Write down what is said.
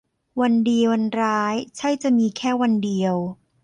วันดีวันร้ายใช่จะมีแค่วันเดียว